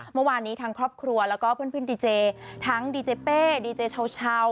เมื่อวานนี้ทางครอบครัวแล้วก็เพื่อนดีเจทั้งดีเจเป้ดีเจเช้า